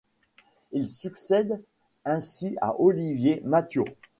Il succède ainsi à Olivier Mathiot.